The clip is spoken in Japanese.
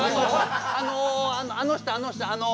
あのあのあの人あの人あの。